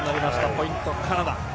ポイント、カナダ。